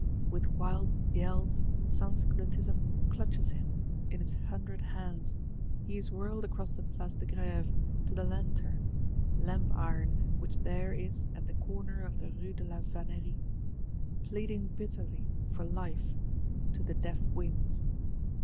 With wild yells, Sansculottism clutches him, in its hundred hands: he is whirled across the Place de Grève, to the "Lanterne," Lamp iron which there is at the corner of the Rue de la Vannerie; pleading bitterly for life,—to the deaf winds.